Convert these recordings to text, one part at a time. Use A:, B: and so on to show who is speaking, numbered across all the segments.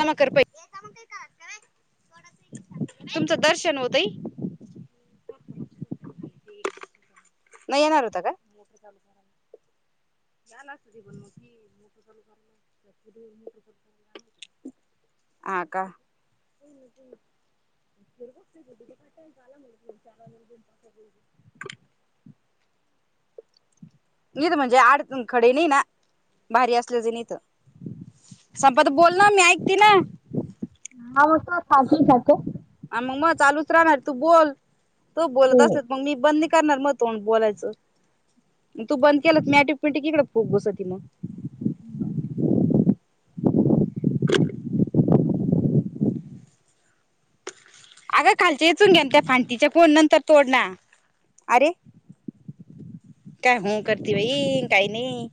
A: कामा कर पहि तुमचं दर्शन होतंय. नाही येणार होता का? [unintelligible] झालाच पण मग ती मोठर चालू कयला मोठर चालू करायला ला [unintelligible] आ का? तिर बगते गु का झाला म्हणल चार राजाला बी, पाच वाजाला बी. इड म्हणजे आडचण खडे नाही ना. भारी येचल्याजाईन इथ. संपदा बोल ना. मी ऐकती ना.
B: आवाज काढ सासू सारखं.
A: आणि मग मग चालूच राहणार, तू बोल तू बोलत, असल मग मी बंद करणार मग तो बोलायचं, तू बंद केल मॅटी पिटी, किकडे फुक बस त मग?
B: बर
A: [inaudible] अगं खालच्या येचून घ्यान त्या, फांटीच्या कोण नंतर तोड ना अरे काय हो करती, बाई काही नाही.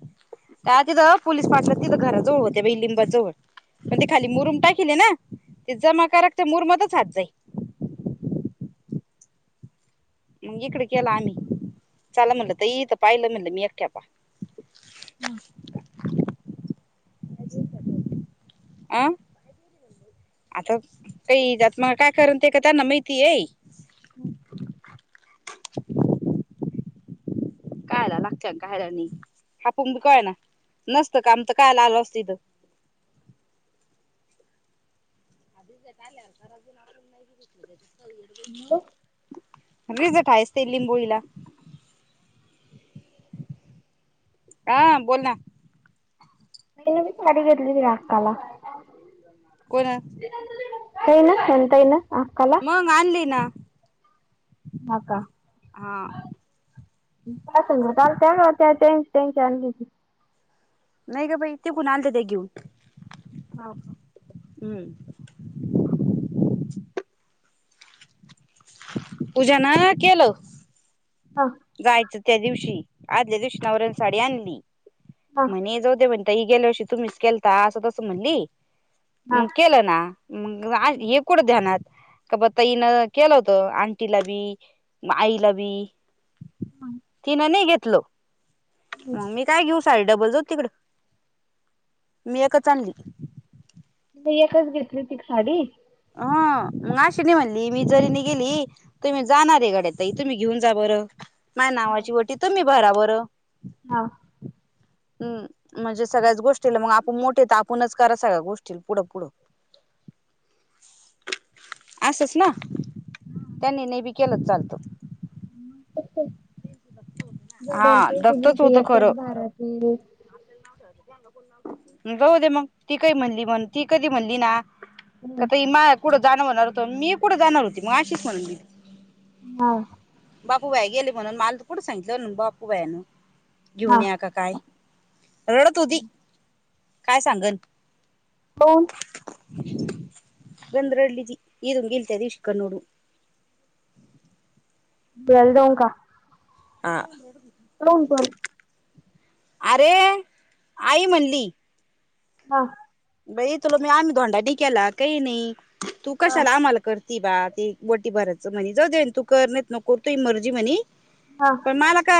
A: का तिथं पोललीस पाठला तिथं, घराजवळ हो ते बा लिंबाजवळ पण ते खाली मुरूम टाकले ना ते जमा, करात तर मुरमातच हात जाई. मग इकडे गेला आम्ही, चाला म्हणल त इथ पाहिलं, म्हटलं मी एकट्यापा.
B: हम
A: अ आता काही जात, मग काय करण ते का त्यांना माहिती येईये.
B: हम्
A: कायला लागते कायला नाही, हापूनी कय ना नसतं, का आम तर कायला आल असं तिथं. आधी आल्या अजून आप [inaudible]
B: हॅलो.
A: र [inaudible] जठायस ते लिंबोळीला हा बोल ना.
B: म म कडी गर्ल हाकला
A: कोण
B: कान एंत येईना का? [inaudible]
A: हो आणली ना!
B: हा का?
A: हा
B: काय सांगाव काल त्यांनी, त्यांची त्यांची, आणली होती.
A: नाही का बाई तेे कोून आल ते घेऊन.
B: हो का.
A: हम्म. पूजा ना केलो.
B: हा.
A: जायचं त्या दिवशी आदल्या दिवशी, नवऱ्याने साडी आणली,
B: हा
A: म्हणे जाऊ दे म्हण. आ ही गेल अष, तुम्हीच केलता असं तसं म्हणली, मग
B: हा
A: केलं ना म हे कोठं ध्यानात, क ब तईनं केलं होत आंटीला बी आईला बी तिनं, नाही घेतल मग मी काय घेऊ. साडे डबल जाऊ, तिकड मी एकच आणली.
B: एकच घेतली ती एक साडी.
A: हा मग अशीे नाही, म्हणली मी जरी नाय गेली. तुम्ही जाणार आहे. गोड्या ताई, तुम्ही घेऊन जा बरं माझ्या नावाची ओटी तुम्ही भरा बरं.
B: हा.
A: हम् म्हणजे, सगळ्याच गोष्टी मग, आपण मोठेेत आपणच करा सगळ्या गोष्टी पुढं पुढं. अससस ना? त्यांनी नेबी केलंच चालतो.
B: जोड्याला
A: हा
B: पैसे
A: दत्तच
B: दिते
A: होतं
B: एक
A: खरं
B: भारातील.
A: जाऊ दे मग ती काही, म्हणली म्हण ती कधी म्हणली ना? काता मा कुठं जाणं होणार होत, मी कुठं जाणार होती मग आशीिच म्हणून मी.
B: हा.
A: बापूबाई गेले म्हणून मला कुठं सांगितलं, बापू बायान घेऊन
B: हा
A: या का काय. रडत होती काय सांगल.
B: होन.
A: बंदरडली ज एकुंग गलतय, दिीव शिकन नोड.
B: बेल दऊ का.
A: आ
B: कोण पण
A: अरे आई म्हणली
B: हा
A: ब तुला मी आम्ही घोंडाणी केला काही नाही तू
B: हा
A: कशाला आम्हाला करत ती बा ती बटी भरायचं म्हणे जाऊ देन तू कर नाहीत नको तू इ मर्जी म्हणे
B: हा
A: पण मला का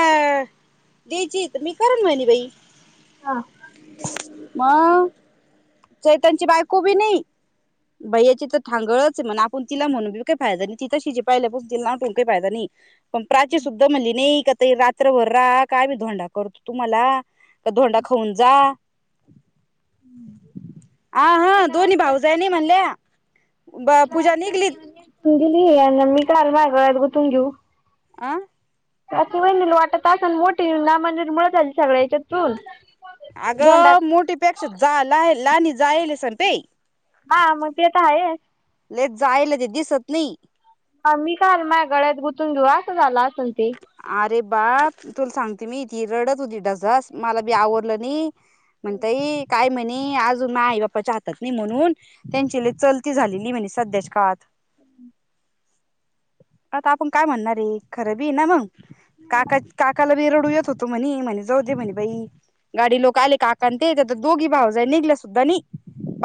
A: द्यायची मी करून म्हली बाई
B: हा.
A: मग चैतनची बायको बी नाही भैयाची तर थांगळच म्हण आपण तिला म्हणूी काही फायदा नाही तिथं शिजे पाहिल्या प तिला नाटून काही फायदा नाही पण प्राची सुद्धा म्हणली नाही का त रात्रभर राहा काय मी धोंडा करतो तुम्हाला का ोंडा खाऊन जा आ हा दोन्ही भाऊजनी म्हणल्या पूजा निघली
B: गेली मी काल महागात गु तून घेऊ
A: आ
B: अ व वाटत तास आणि मोठीे ना म्हणजे मुळ झाली सगळ्या याच्यातून धोंडा
A: अगं मोठी पेक्षा जा लणी जायल सण ते
B: हा मग ते तर आहे
A: ल जायल ते दिसत नाही
B: ह मी का आल माय गळ्यात गुंतथून घेऊ असं झालं असल ते
A: अरे बाप तुला सांगते मी इथे रडत होती डसस मला बी आवरडलं नाही म्हणताई काय म्हणे आज अून आई बा्च्या हात नाही म्हणून त्यांची चलती झालेली म्हणजे सध्याच्या काळात
B: हम्
A: आता आपण काय म्हणणारे खरबी ना मंग काका काकाला वेरडू येत होतो म्हणे म्हणे जाऊ दे म्हणे बाई गाडी लोक आले काक ते तर दोघी भाव जा निघल्या सुद्धा नि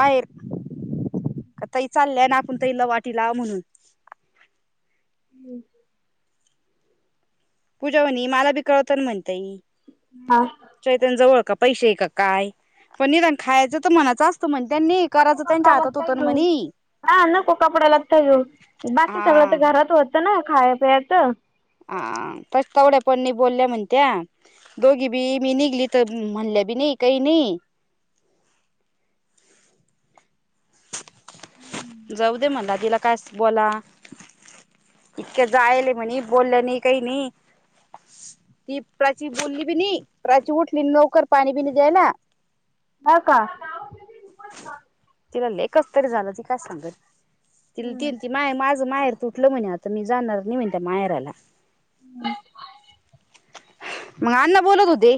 A: बाहेर काताही चालय ना आपण तही ल वाटी ला म्हणून
B: हम्म
A: पूजा हो मला बिकावत म्हणता येई
B: हा
A: चैतनजवळ का पैसे आहे का काय पण निरण खायचं तर मनाच अस म्हण त्यांनी करायचं त्यांच्या
B: कपड्यालाच
A: हातात
B: काय
A: होतं ना
B: घेऊ.
A: म्हणे
B: हा नको कपड्यालाता येऊ बाकी सगळं
A: हा
B: तर घरात होतं ना खाय पियचं
A: हा तस तेवढ्या पणणी बोलल्या म्हणत्या दोघी बी मी निघली तर म्हणल्या बी नाही काही नाही
B: हम्म
A: दे म्हणला तिला काय बोला इतके जायल म्हणे बोललं नाही काही नाही ती प्राची बुोलली बी नाही प्राची उठली लवकर पाणी बि नाही द्यायला
B: हा का
A: तिला लेकच तरी झालं ती काय सांगत तिला तीन ती माय माझं माहेर तुटलं म्हण आता मी जाणार नाही म्हणत्या मायाराला
B: अ
A: मग अण्णा बोलत होते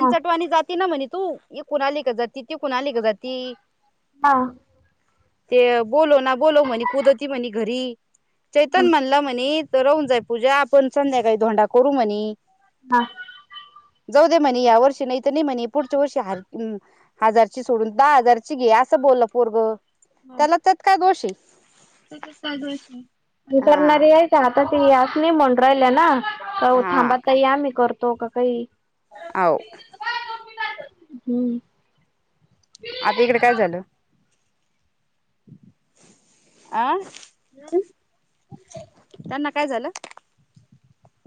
B: हा
A: जाते ना म्हणे तू ये कुणालीिक जाती ती कुणाली का जाती
B: हा
A: ते बोलो ना बोलो म्हणे कुदती म्हणे घरी चैतन म्हणला म्हणे तर राहन जाय पूजा आपण संध्याकाळी धोंडा करू म्हणे
B: हा.
A: जाऊ दे म्हणे या वर्षी नाही तर नाही म्हणे पुढच्या वर्षी हाय हजारची सोडून, दहा हजारची घे असं बोललं पोरग त्याला त्यात काय दोषी.
B: पण करणारी आहे आता तस नाही म्हण राहिल्या ना. हो
A: हा
B: थांबा तयार मी करतो का काही
A: आ
B: हम्म.
A: आता इकडे काय झालं? आं
B: हम्.
A: त्यांना काय झालं?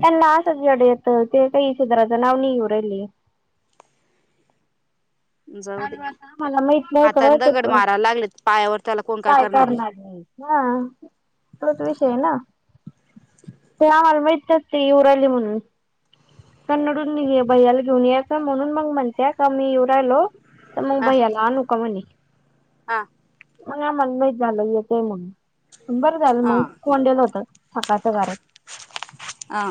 B: त्याना असच अड येत ते काही इसध्र नाव नरेली.
A: जाऊ दे
B: मला माहित नव्हत [unintelligible]
A: लागलेत पायावर त्याला
B: काय करणार हा तोच विषय हाय ना. ना आलमेेतात इवरल मुण. पण रडुन भैयाला घेऊन या का म्हणून मग म्हणते का मी येऊ राहिलो. त मग
A: हा
B: भईला अन का मणे.
A: हा
B: मग या मन माहित झालं येतय म्हणून बरं झालं मग
A: हा
B: कोण दिलं होत सकाळच्या घरात.
A: अ,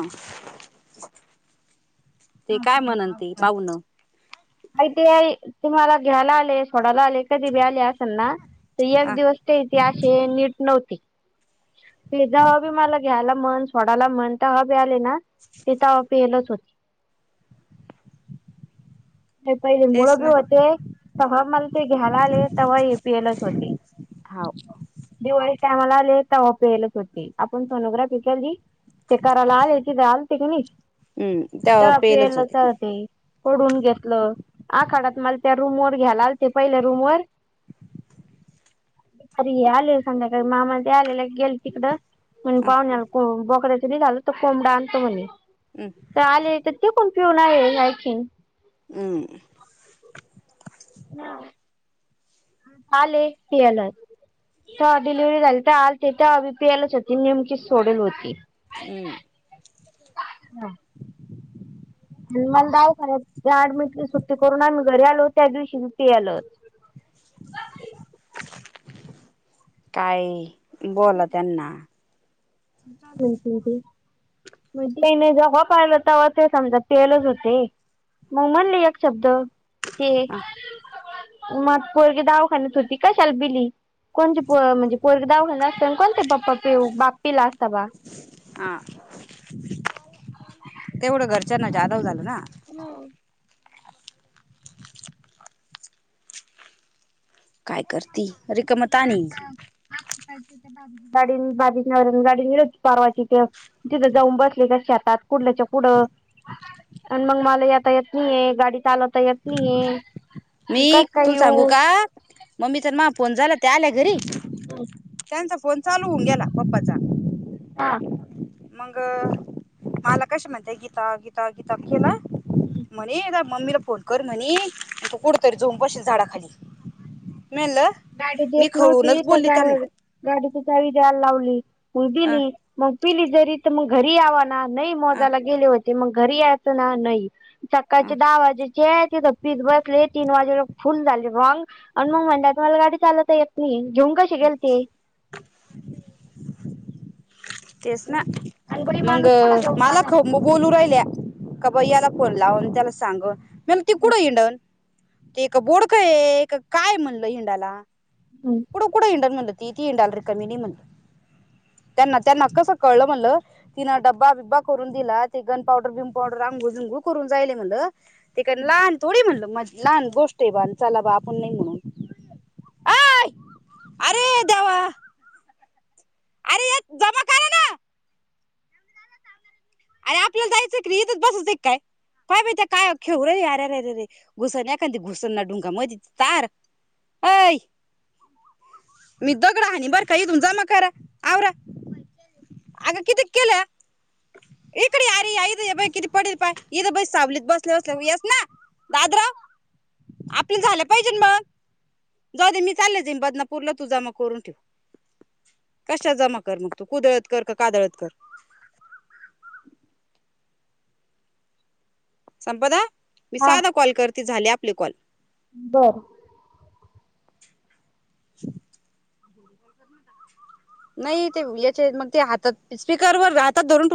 A: ते काय म्हण ते पाहुन.
B: माहिती तुम्हाला घ्यायला आले सोडायला आले कधी बी आले असेल ना एक
A: हा
B: दिवस ते त अशीे नीट नव्हती. फिज हवा बी मला घ्यायला म्हण सोडाला म्हण तर हवा बी आले ना.
A: [unintelligible]
B: तिथं पलच होत. ते पहिले मुळ
A: तेच
B: बी
A: ना
B: होते तेव्हा मला ते घ्यायला आले तेव्हा ए पी एलच होते.
A: हा.
B: दिवाळी टायमाला आले तेव्हा फेलच सु होतु आपण सोनोग्राफी केली. ते कराला आले तिथ आल तिक नाही,
A: हम्म तेव्हा
B: आप
A: पेलच होते
B: ते, पडून घेत हॅलो! आखाड्यात मला त्या रूम वर घ्यायला आलते पहिल्या रूम वर. अरे आले संध्याकाळी मामा ते आलेला गेले तिकडं. मण
A: ह
B: पाव ना बक्या तरी झालं तो कमड आणतो म्हणे.
A: हम.
B: तर आले तर ति पण पिऊन यायची.
A: हम.
B: [unintelligible] आले पी यालात. हा डिलिव्हरी झाली तर आल तेथ बी पी एलच होती नेमकीच सोडेल होती.
A: हम्म
B: हम.
A: [inaudible]
B: आणि मण ‌द खर आठची सुट्टी करून आम्ही घरी आलो त्या दिवशी ते आले.
A: काय बोला त्यांना.
B: [unintelligible] मणने जेव्हा पाहिलं तेव्हा ते समजा पेलच होते. मग म्हनं ना एक शब्द ते.
A: हा
B: मग पोरगी दावाखान्यात होती काशाला बिली. कोणते प म्हणजे पोर दावघा असत कोणते् बाप्पी ला असता बा
A: हा, तेवढं घरच्यांना जादा झाल ना.
B: नाही.
A: काय करती? रेिकम तानी.
B: साडी न [unintelligible] परवाची त्यो. तिथं जाऊन बसल्यात्या शतात. कुडल्याच्या कुडं. आणि मग मला येता येत नाहीय. गाडी चालवता येत नाहीय.
A: मी तुल सांगू का? मम्मीचा न मा फोन झाला. ते आल्या घरी.
B: हम.
A: त्यांचा फोन चालू होऊन गेला. पप्पाचा.
B: हा.
A: मंग, मला कस म्हणतय. गीता, गीता, गीता केलं. म्हणी इला, मम्मीला फोन कर म्हणी. कुठतरी जाऊन बसशील झाडाखाली. मनलं
B: गाडी देत नव्हती. त्या गावाल गाडीची चावी द्याया लावली. मग
A: अ
B: दिली. मग पिली जरी तर, मग घरी यावा नाही
A: अ
B: मोजाला गेले होते. मग घरी यायाचं ना. नाही.
A: अ
B: सकाळचे दहा वाजे त्या तिथं पीत बसले. तीन वाजे [unintelligible] फुल झाले मंग. अन् मग म्हणल्यात मला गाडी चालवता येत नाही. घेऊन कशी गेलते.
A: तेच ना. मंग मला ख म बु बोलू राहिल्या. का बाई याला फोन लावून त्याला सांग. म्या मनला ते कुठं हिंडन. ते का बोडकय, का काय म्हणलं, हिंडाला.
B: हम्.
A: कुठं हिंडल म्हणल ती. ती हिंडाल रिकामी नाही म्हणलं. त्यांना- त्यांनाच कसं कळलं म्हणलं. तिनं ड्बा - बिब्बा करून दिला. ते गन पावडर भिम पावडर, अंंगुळ- बिंगूळ करून जायले मनलं. ते काय लहान थोडी म्हणल. लहान गोष्टय बा, न चला बा. आपूण नाही म्हणून. आय अरे, देवा! अरे यक, जमा करा ना. आरं, आपल्याला जायचं की र. इथच बसायचं का काय? काय बाई त्या काय खेळू रे अरेरेरे. घुसल एखादं घुस ना [unintelligible] तार. अय. मी दगडा हानी बरखा. येथून जमा करा. आवरा. आगं, कितीक केल्या. इकडे ये आर्या, इथ बघ किती? पडेल पा इथ बस. सावलीत बसल्या - बसल्या येस ना. दादराव, आपल्या झाल्या पाहिजे मग. जाऊ दे, मी चालले जिम बदनापूरला. तुझा मग कोरून ठिव. कशा जमा कर मग तू. कुदळत कर का, कादळत कर. संपदा, मी साधा कॉल करती. झाले आपले कॉल.
B: बरं.
A: नाही ते याचे मग, ते हातात स्पीकर वर राहतात धरून ठु